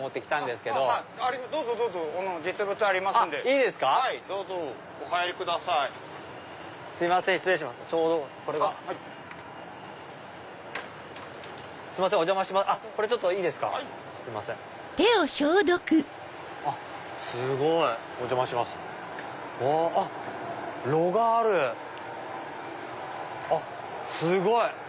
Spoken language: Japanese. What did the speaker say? すごい！